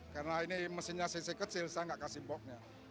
karena ini mesinnya cc kecil saya nggak kasih boxnya